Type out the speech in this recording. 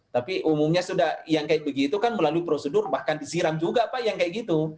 tapi umumnya sudah yang kayak begitu kan melalui prosedur bahkan disiram juga pak yang kayak gitu